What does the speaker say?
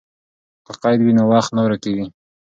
که قید وي نو وخت نه ورکېږي.